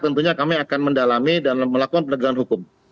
tentunya kami akan mendalami dan melakukan penegakan hukum